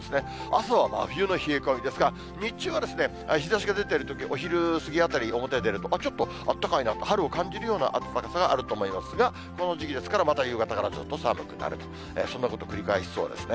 朝は真冬の冷え込みですが、日中は日ざしが出てるとき、お昼過ぎ当たり、表へ出ると、ちょっとあったかいな、春を感じるような暖かさがあると思いますが、この時期ですから、また夕方からぐっと寒くなると、そんなことを繰り返しそうですね。